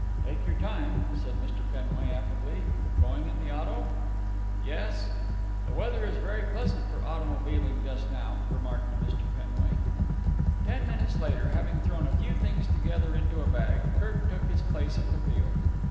"Take your time," said Mr. Penway affably. "Going in the auto?" "Yes." "The weather is very pleasant for automobiling just now," remarked Mr. Penway. Ten minutes later, having thrown a few things together into a bag, Kirk took his place at the wheel.